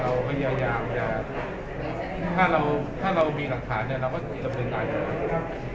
เราก็ยาวจะถ้าเรามีหลักฐานเนี่ยเราก็จะเป็นอันดับ